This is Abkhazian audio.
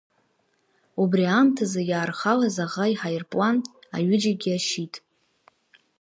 Убри аамҭазы иаархалаз аӷа иҳаирплан аҩыџьегьы ашьит.